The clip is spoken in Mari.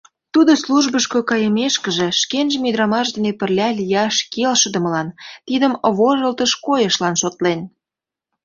Тудо, службышко кайымешкыже, шкенжым ӱдырамаш дене пырля лияш келшыдымылан, тидым вожылтыш койышлан шотлен.